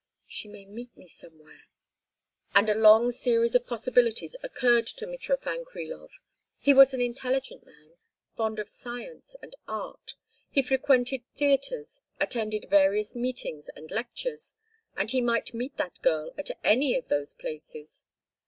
She may meet me somewhere—" And a long series of possibilities occurred to Mitrofan Krilov; he was an intelligent man, fond of science and art; he frequented theatres, attended various meetings and lectures, and he might meet that girl at any of those places.